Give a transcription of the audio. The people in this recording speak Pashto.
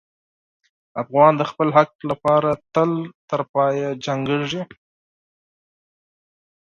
افغان د خپل حق لپاره تر پایه جنګېږي.